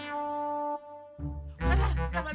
aduh dapet dapet